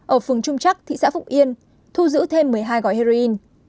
ở phường trung trắc thị xã phụng yên thu giữ thêm một mươi hai gói heroin